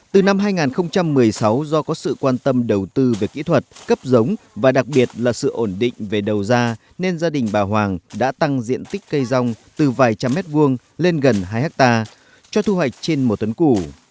từ năm hai nghìn một mươi sáu do có sự quan tâm đầu tư về kỹ thuật cấp giống và đặc biệt là sự ổn định về đầu ra nên gia đình bà hoàng đã tăng diện tích cây rong từ vài trăm mét vuông lên gần hai hectare cho thu hoạch trên một tấn củ